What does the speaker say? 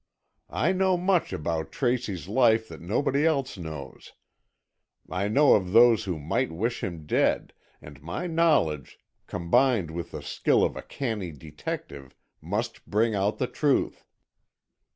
I know much about Tracy's life that nobody else knows. I know of those who might wish him dead, and my knowledge, combined with the skill of a canny detective, must bring out the truth."